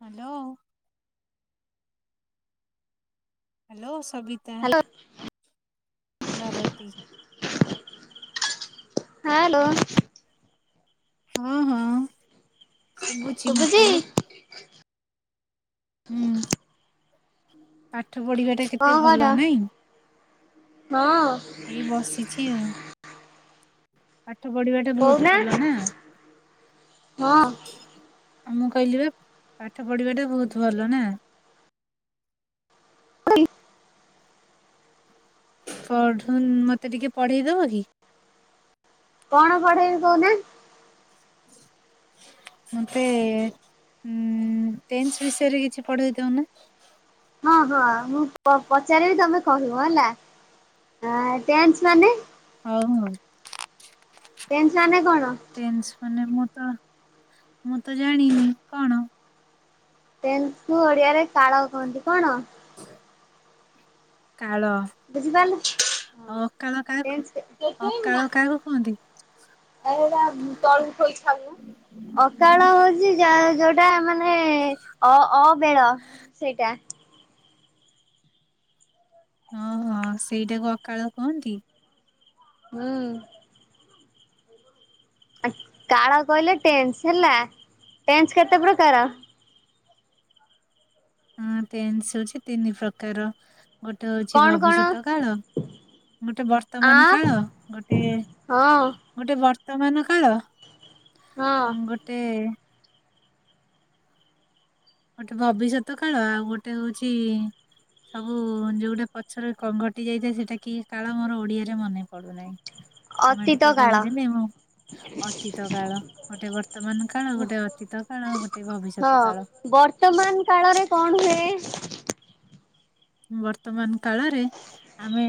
Hello. Hello Sabita hello Bharati. Hello. ହଁ ହଁ ଶୁଭୁଛି ମତେ। ହୁଁ ପାଠ ପଢିବା ଟା କେତେ କଣ କରୁଛ? ଭଲ ନାଇଁ। ହଁ। ଏଇ ବସିଛି ଆଉ। ପାଠ ପଢିବା ଟା ବହୁତ କହୁନା ଭଲ ନା। ହଁ ଆଉ ମୁଁ କହିଲି ପାଠ ପଢିବା ଟା ବହୁତ ଭଲ ନା। [inaudible] ପଢୁନ ମତେ ଟିକେ ପଢେଇଦବ କି। କଣ ପଢେଇବି କହୁନା। [inaudible] ମତେ ଉ ଟେନ୍ସ ବିଷୟରେ କିଛି ପଢେଇ ଦଉନା। ହଁ ହଁ ମୁଁ ପଚାରିବି ତମେ କହିବ ହେଲା ଟେନ୍ସ ମାନେ। ହଉ ହଉ। ଟେନ୍ସ ମାନେ କଣ। ଟେନ୍ସ ମାନେ ମୁଁ ତ ମୁଁ ତ ଜାଣିନି କଣ। ଟେନ୍ସ ଜୁ ଓଡିଆରେ କାଳ କହନ୍ତି କଣ। କାଳ। ବୁଝିପାରିଲ ଆଉ ଅକାଳ କାହାକୁ ଟେନ୍ସ ଅକାଳ କାହାକୁ କୁହନ୍ତି। [inaudible] ଅକାଳ ହଉଛି ଯା ଯୋଉ ଟା ମାନେ ଅ ଅବେଳ ସେଇଟା। ହଁ ହଁ ସେଇଟାକୁ ଅକାଳ କୁହନ୍ତି। ହଁ। କାଳ କହିଲେ ଟେନ୍ସ ହେଲା ଟେନ୍ସ କେତେ ପ୍ରକାର? ହଁ ଟେନ୍ସ ହଉଚି ତିନି ପ୍ରକାର ଗୋଟେ ହଉଚି କଣ କଣ ଭବିଷ୍ୟତ କାଳ। ଗୋଟେ ବର୍ତ୍ତମାନ ଆଁ କାଳ, ଗୋଟେ ହଁ ଗୋଟେ ବର୍ତ୍ତମାନ କାଳ, ହଁ। ଗୋଟେ ଗୋଟେ ଭବିଷ୍ୟତ କାଳ ଆଉ ଗୋଟେ ହଉଚି ସବୁ ଯୋଉ ଟା ପଛରେ ଘ ଘଟି ଯାଇଥାଏ ସେଟା କି କାଳ ମୋର ଓଡିଆରେ ମନେ ପଡୁନାହିଁ। ତମେ ଅତୀତ ଟିକେ କାଳ। କହିଦେଲେ ମୁ ଅତୀତ କାଳ, ଗୋଟେ ବର୍ତ୍ତମାନ କାଳ, ଗୋଟେ ଅତୀତ କାଳ, ଗୋଟେ ହଁ ଭବିଷ୍ୟତ କାଳ। ବର୍ତ୍ତମାନ କାଳରେ କଣ ହୁଏ? ବର୍ତ୍ତମାନ କାଳରେ? ଆମେ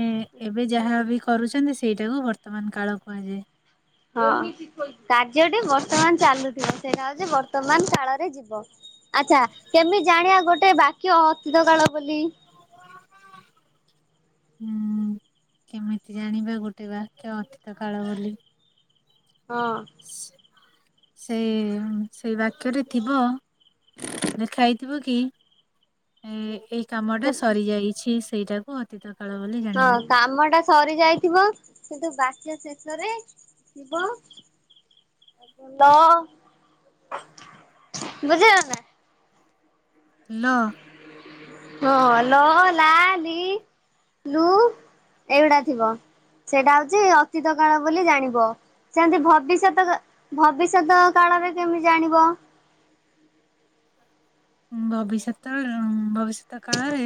ଏବେ ଯାହା ବି କରୁଚନ୍ତି ସେଇଟାକୁ ବର୍ତ୍ତମାନ କାଳ କୁହାଯାଏ। ହଁ କାର୍ଯ୍ୟଟି ବର୍ତ୍ତମାନ ଚାଲୁଥିବ ସେଇଟା ହଉଚି ବର୍ତ୍ତମାନ କାଳରେ ଯିବ। ଆଚ୍ଛା କେମିତି ଜାଣିବା ଗୋଟେ ବାକ୍ୟ ଅତିତ କାଳ ବୋଲି? [inaudible] ହୁଁ କେମିତି ଜାଣିବା ଗୋଟେ ବାକ୍ୟ ଅତୀତ କାଳ ବୋଲି। ହଁ। ସେ ସେଇ ବାକ୍ୟରେ ଥିବ ଲେଖା ହେଇଥିବ କି ଏ ଏଇ କାମ ଟା ସରିଯାଇଚି ସେଇଟାକୁ ଅତୀତ କାଳ ବୋଲି ହଁ ଜାଣିବା। କାମ ଟା ସରି ଯାଇଥିବ କିନ୍ତୁ ବାକ୍ୟ ଶେଷରେ ଥିବ ଲ ବୁଝିଲ ନା? ନ? ହଁ ଲ ଲା ଲି ଲୁ। ଏଇଗୁଡ଼ା ଥିବ ସେଇଟା ହଉଚି ଅତୀତ କାଳ ବୋଲି ଜାଣିବ। ସେମତି ଭବିଷ୍ୟତ ଭବିଷ୍ୟତ କାଳରେ କେମିତି ଜାଣିବ? ଭବିଷ୍ୟତ ଭବିଷ୍ୟତ କାଳରେ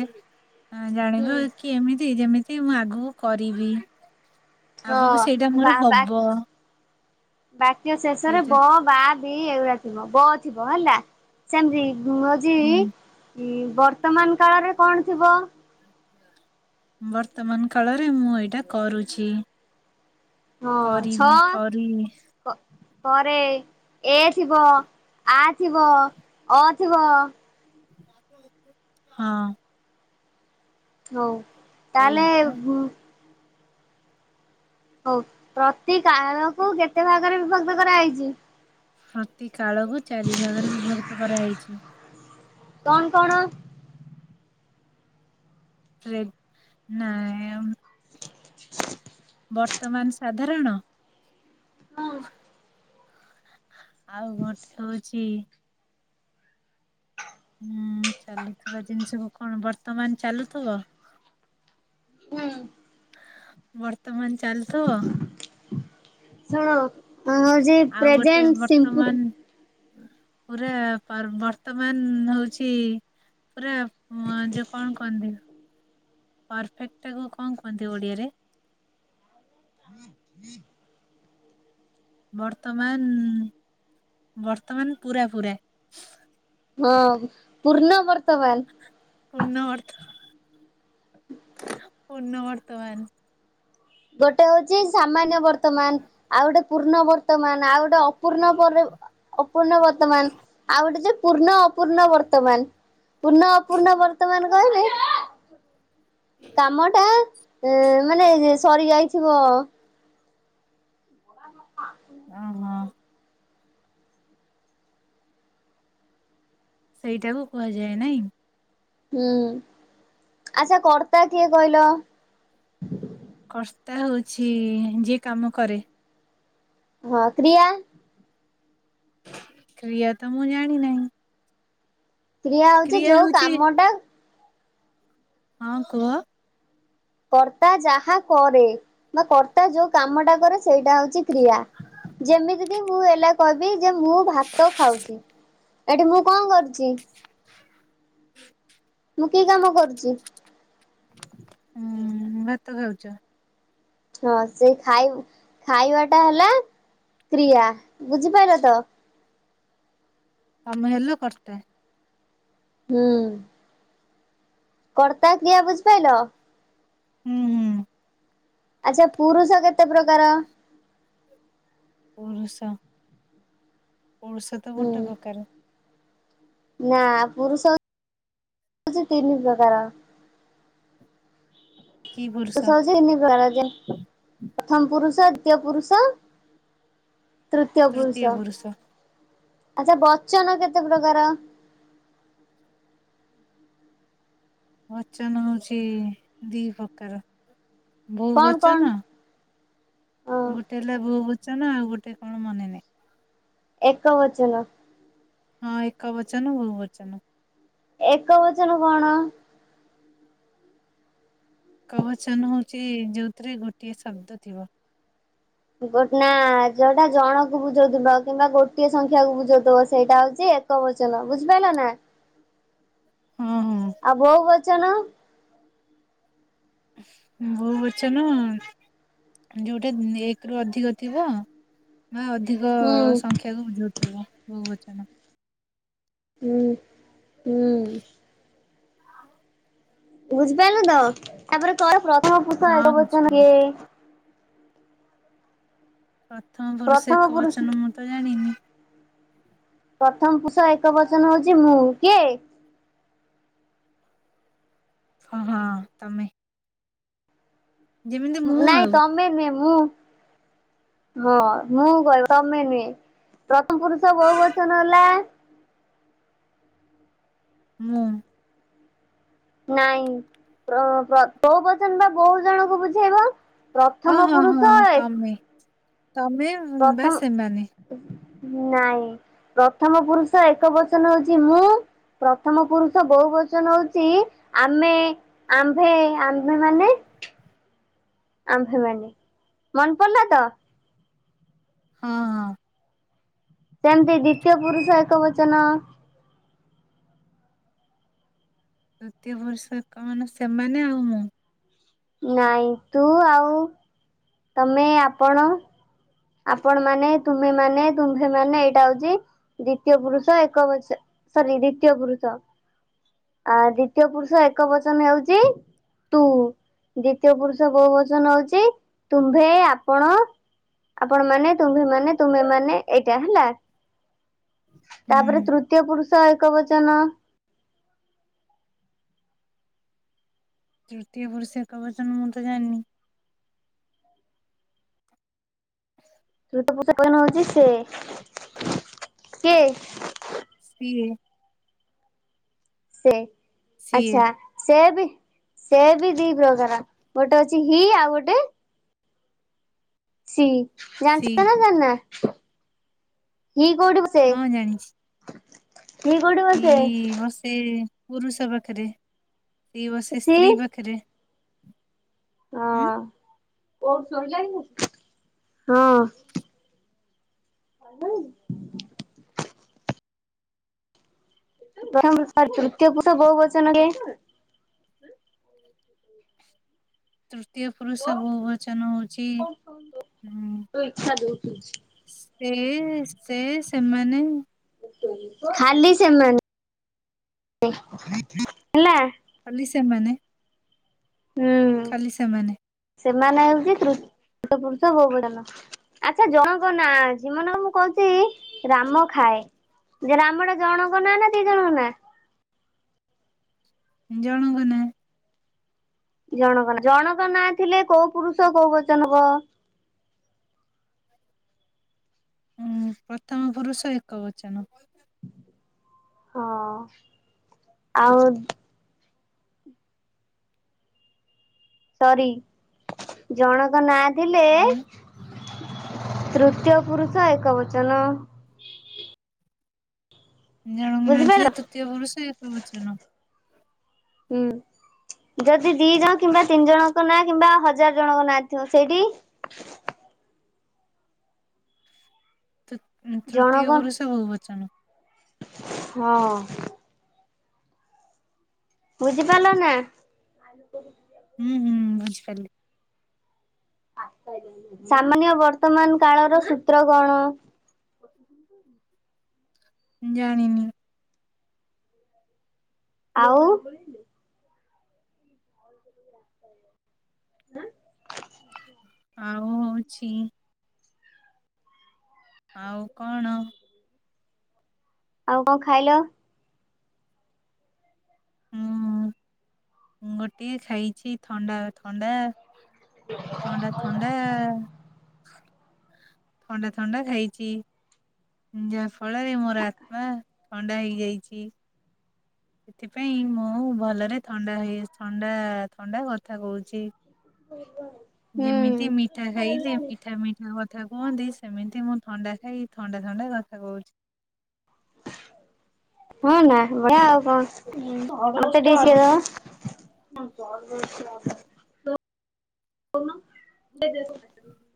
ହୁଁ ଜାଣିବ କି ଏମିତି ଯେମିତି ମୁଁ ଆଗକୁ କରିବି ଆଗକୁ ସେଇଟା ହଁ ବା ମୋର ବା ହବ। ବାକ୍ୟ ଶେଷ ରେ ସେଇଟା ବ ବା ବି ଏଗୁଡା ଥିବ ବ ଥିବ ହେଲା ସେମିତି କୁହଯି ହୁଁ ହଁ ବର୍ତ୍ତମାନ କାଳରେ କଣ ଥିବ? ବର୍ତ୍ତମାନ କାଳରେ ମୁଁ ଏଇଟା କରୁଛି। ହଁ ଛ କରିବି କରି ପରେ ଏ ଥିବ ଆ ଥିବ ଅ ଥିବ। ହଁ। ହଉ ଏଇ ତାହେଲେ ହଉ ପ୍ରତି କାଳକୁ କେତେ ଭାଗରେ ବିଭକ୍ତ କରାହେଇଚି। ପ୍ରତି କାଳକୁୁ ଚାରି ଭାଗରେ ବିଭକ୍ତ କରାହେଇଚି। କଣ କଣ? ରେଗ ନାଇଁ। [inaudible] ବର୍ତ୍ତମାନ ସାଧାରଣ। ହୁଁ ଆଉ ଗୋଟେ ହଉଚି ହୁଁ ଚାଲୁଥିବା ଜିନିଷକୁ କଣ ବର୍ତ୍ତମାନ ଚାଲୁଥିବ। ହୁଁ। ବର୍ତ୍ତମାନ ଚାଲୁଥିବ। ହଁ ଯେ ଆଉ ଗୋଟେ ପ୍ରେସେଣ୍ଟ ସିମ୍ପଲ। ବର୍ତ୍ତମାନ ପୁରା ବର୍ତମାନ ହଉଚି ପୁରା ଯଉ କଣ କହନ୍ତି ପରଫେକ୍ଟ କୁ କଣ କୁହନ୍ତି ଓଡିଆରେ? ବର୍ତ୍ତମାନ୍-ବର୍ତ୍ତମାନ୍ ପୁରା-ପୁରା। ହଁ ପୂର୍ଣ ବର୍ତ୍ତମାନ୍। ପୂର୍ଣ ବର୍ତ୍ତମାନ୍ ପୂର୍ଣ ବର୍ତ୍ତମାନ୍। ଗୋଟେ ହଉଚି ସାମାନ୍ୟ ବର୍ତ୍ତମାନ୍ ଆଉ ଗୋଟେ ପୂର୍ଣ୍ଣ ବର୍ତ୍ତମାନ୍, ଆଉ ଗୋଟେ ଅପୂର୍ଣ୍ଣ ପରେ ଅପୂର୍ଣ୍ଣ ବର୍ତ୍ତମାନ୍, ଆଉ ଗୋଟେ ଯୋଉ ପୂର୍ଣ୍ଣ ଅପୂର୍ଣ୍ଣ ବର୍ତ୍ତମାନ୍ ପୂର୍ଣ୍ଣ ଅପୂର୍ଣ୍ଣ ବର୍ତ୍ତମାନ୍ କହିବେ କାମ ଟା ମାନେ ସରି ଯାଇଥିବ। [unintelligible] ସେଇଟାକୁୁ କୁହାଯାଏ ନାଇଁ? ହୁଁ, ଆଚ୍ଛା କର୍ତ୍ତା କିଏ କହିଲ? କର୍ତ୍ତା ହଉଛି ଯିଏ କାମ କରେ। ହଁ, କ୍ରିୟା? କ୍ରିୟା ତ ମୁଁ ଜାଣିନାହିଁ। କ୍ରିୟା ହଉଚି ଯୋଉ ହଉଛି କାମଟା ହଁ କୁହ। କର୍ତ୍ତା ଯାହା କରେ ବା କର୍ତ୍ତା ଯୋଉ କାମଟା କରେ ସେଇଟା ହଉଚି କ୍ରିୟା। ଯେମିତିକି ମୁଁ ହେଲା କହିବି ଯେ ମୁଁ ଭାତ ଖାଉଚି, ଏଠି ମୁଁ କଣ କରୁଚି ମୁଁ କି କାମ କରୁଚି? ହୁଁ, ଭାତ ଖାଉଚ। ହଁ ସେଇ ଖାଇ ଖାଇବାଟା ହେଲା କ୍ରିୟା ବୁଝିପାଇଲ ତ। ତମେ ହେଲ କର୍ତ୍ତା। ହୁଁ। କର୍ତ୍ତା କ୍ରିୟା ବୁଝିପାଇଲ? ହୁଁ-ହୁଁ। ଆଚ୍ଛା ପୁରୁଷ କେତେ ପ୍ରକାର? ପୁରୁଷ ପୁରୁଷ ତ ହୁଁ ଗୋଟେ ପ୍ରକାର। ନା ପୁରୁଷ ହେଉଚି ତିନି ପ୍ରକାର। କି ପୁରୁଷ? ତିନି ପ୍ରକାର [unintelligible] ପ୍ରଥମ ପୁରୁଷ, ଦ୍ଵିତୀୟ ପୁରୁଷ ତୃତୀୟ ପୁରୁଷ, ଆଛା ବଚନ କେତେ ପ୍ରକାର? ବଚନ ହଉଛି ଦି ପ୍ରକାର, ବହୁ କଣ କଣ? ବଚନ ହଁ ଗୋଟେ ହେଲା ବହୁବଚନ, ଆଉ ଗୋଟେ କଣ ମନେ ନାହିଁ। ଏକବଚନ। ହଁ ଏକ ବଚନ, ବହୁ ବଚନ। ଏକ ବଚନ କଣ? ଏକ ବଚନ ହଉଚି ଯୋଉଥିରେ ଗୋଟିଏ ଶବ୍ଦ ଥିବ। ଗୋଟ୍ ନା ଯୋଉଟା ଜଣ କୁ ବୁଝଉଥିବ କିମ୍ବା ଗୋଟିଏ ସଂଖ୍ୟାକୁ ବୁଝଉଥିବ ସେଇଟା ହଉଚି ଏ କ ବଚନ ବୁଝିପାଇଲ ନା। ହଁ-ହଁ। ଆଉ ବହୁ ବଚନ? ବହୁ ବଚନ ଯୋଉଟା ଏକ ରୁ ଅଧିକ ଥିବ ବା ଅଧିକ ହୁଁ ସଂଖ୍ୟାକୁ ବୁଝଉଥିବ ବହୁ ବଚନ। ହୁଁ-ହୁଁ। ଆଉ ବୁଝିପାଇଲ ତ, ତାପରେ କହିଲ ପ୍ରଥମ ପୁରୁଷ ହଁ ଏକ ବଚନ ବୁଝିପାରିଲି କିଏ? ପ୍ରଥମ ପରୁଷ ପ୍ରଥମ ଏକ ପୁରୁଷ ବଚନ ମୁଁ ତ ଜାଣିନି। ପ୍ରଥମ ପୁରୁଷ ଏକ ବଚନ ହଉଛି। ମୁଁ କିଏ? ହ ହଁ ତମେ। ଯେମିତି ମୁଁ ନାଇଁ ଆଉ ତମେ ନୁହେଁ ମୁଁ। ହଁ ମୁଁ କହିବି ତମେ ନୁହେଁ ପ୍ରଥମ ପୁରୁଷ ବହୁ ବଚନ ହେଲା। ମୁଁ। ନାଇଁ ବହୁ ବଚନ ପା ବହୁତ ଜଣଙ୍କୁ ବୁଝେଇବ। ହଁ ପ୍ରଥମ ହଁ ପୁରୁଷ ହଁ ତମେ ତମେ ବା ସେ ପ୍ରଥମ ସେମାନେ। ନାଇଁ ପ୍ରଥମ ପୁରୁଷ ଏକ ବଚନ ହଉଛି ମୁଁ। ପ୍ରଥମ ପୁରୁଷ ବହୁ ବଚନ ହଉଛି ଆମେ। ଆମ୍ଭେ ଆମ୍ଭେ ମାନେ। ଆମ୍ଭେ ମାନେ ମନେ ପଡିଲା ତ। ହଁ ହଁ। ସେମିତି ଦ୍ଵିତୀୟ ପୁରୁଷ ଏକ ବଚନ। ତୃତୀୟ ପୁରୁଷ କଣ ସେମାନେ ଆଉ ମୁଁ। ନାଇଁ ତୁ ଆଉ ତମେ ଆପଣ। ଆପଣ ମାନେ ତୁମେ ମାନେ ତୁମଭେ ମାନେ ଏଇଟା ହଉଛି ଦ୍ଵିତୀୟ ପୁରୁଷ ଏକ ବଚ ସରି ଦ୍ଵିତୀୟ ପୁରୁଷ। ଆ ଦ୍ଵିତୀୟ ପୁରୁଷ ଏକ ବଚନ ହେଉଛି ତୁ ଦ୍ଵିତୀୟ ପୁରୁଷ ବହୁ ବଚନ ହଉଛି ତୁମ୍ଭେ ଆପଣ। ଆପଣ ମାନେ ତୁମ୍ଭେ ମାନେ ତୁମେ ମାନେ ଏଇଟା। ହେଲା ତାପରେ ହୁଁ ତୃତ ତୃତୀୟ ପୁରୁଷ ଏକବଚନ ତୃତୀୟ ପୁରୁଷ ଏକବଚନ ମୁଁ ତ ଜାଣିନି। ତୁତ ପୂଜା କ ନ [inaudible] ହଉଛି ସେ କିଏ ସିଏ। ସେ ସିଏ ଆଚ୍ଛା। ସେ ବି ସେ ବି ଦି ପ୍ରକାର ଗୋଟେ ଅଛି ହି ଆଉ ଗୋଟେ। ସି ସି ଜାଣିଛ ନା ଜାଣିନା ହି କୋଉଠି ବସେ ହଁ ଜାଣିଛି। ସିଏ କୋଉଠି ହି ବସେ ବସେ ପୁରୁଷ ପାଖରେ ସି ବସେ ସି ସ୍ତ୍ରୀ ପାଖରେ। ଉଁ ହଁ ହଁ। [unintelligible] ପ୍ରଥମ ପୁରୁଷ ତୃତୀୟ ପୁରୁଷ ବହୁ ବଚନ କିଏ? ତୃତୀୟ ପୁରୁଷ ବହୁ ବଚନ ହଉଛି ହଁ ସେ ସେ ସେମାନେ। ଖାଲି ସେମାନେ ହେଲା। ଖାଲି ସେମାନେ। ହୁଁ ଖାଲି ସେମାନେ। ସେମାନେ ହଉଛି ତୃତିୟ ପୁରୁଷ ବହୁ ବଚନ। ଆଚ୍ଛା ଜଣଙ୍କ ନାଁ ଅଛି ମନେକର ମୁଁ କହୁଛି ରାମ ଖାଏ। ଯୋଉ ରାମଟା ଜଣଙ୍କ ନାଁ ନା ଦି ଜଣଙ୍କ ନାଁ। ଜଣଙ୍କ ନାଁ। ଜଣଙ୍କ ନା ଜଣଙ୍କ ନାଁ ଥିଲେ କୋଉ ପୁରୁଷ କୋଉ ବଚନ ହବ। ଉଁ ପ୍ରଥମ ପୁରୁଷ ଏକ ବଚନ। ହଁ ଆଉ। ସରି ଜଣଙ୍କ ନାଁ ଥିଲେ ଆଉ ତୃତୀୟ ପୁରୁଷ ଏକ ବଚନ। ଜଣଙ୍କ ନାଁ ବୁଝିପାରିଲ ଥିଲେ ତୃତୀୟ ପୁରୁଷ ଏକ ବଚନ। ହୁଁ। ଯଦି ଦି ଜଣ କିମ୍ବା ତିନି ଜଣଙ୍କ ନାଁ କିମ୍ବା ହଜାର ଜଣଙ୍କ ନାଁ ଥିବ ସେଇଠି। ତ ତୃତୀୟ ଜଣକ ପୁରୁଷ ବହୁ ବଚନ। ହଁ। ବୁଝିପାରିଲନା? [unintelligible] ହୁଁ ହୁଁ ବୁଝିପାରିଲି। ସାମାନ୍ୟ ବର୍ତ୍ତମାନ କାଳର ସୂତ୍ର କଣ? ଜାଣିନି। ଆଉ? ଆଁ। ଆଉ ହଉଛି ଆଉ କଣ? ଆଉ କଣ ଖାଇଲ? ମୁଁ ଗୋଟିଏ ଖାଇଛି ଥଣ୍ଡା ଥଣ୍ଡା ଥଣ୍ଡା ଥଣ୍ଡା ଥଣ୍ଡା ଥଣ୍ଡା ଖାଇଛି। ଯାହା ଫଳରେ ମୋର ଆତ୍ମା ଥଣ୍ଡା ହେଇଯାଇଚି। ସେଥିପାଇଁ ମୁଁ ଭଲରେ ଥଣ୍ଡା ହଏ ଥଣ୍ଡା ଥଣ୍ଡା କଥା କହୁଚି। ହୁଁ ଯେମିତି ମିଠା ଖାଇଲେ ମିଠା ମିଠା କ କଥା କୁହନ୍ତି ସେମିତି ମୁଁ ଥଣ୍ଡା ଖାଇ ଥଣ୍ଡା ଥଣ୍ଡା କଥା କହୁଚି। [inaudible] ହଁ ନା ବଢ଼ିଆ ଆଉ କଣ ମତେ ଟିକେ ଶିଖେଇ ଦବ? [unintelligible] [inaudible]